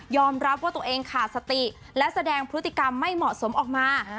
รับว่าตัวเองขาดสติและแสดงพฤติกรรมไม่เหมาะสมออกมา